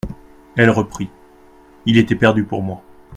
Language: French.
Elle reprit : Il était perdu pour moi.